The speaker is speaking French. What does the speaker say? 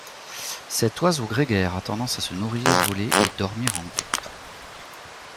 Cet oiseau grégaire a tendance à se nourrir, voler et dormir en groupe.